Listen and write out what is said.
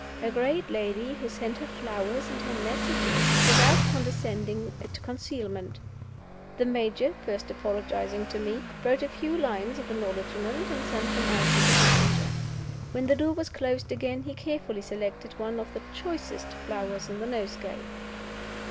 A great lady who sent her flowers and her messages without condescending to concealment. The Major first apologizing to me wrote a few lines of acknowledgment, and sent them out to the messenger. When the door was closed again he carefully selected one of the choicest flowers in the nosegay.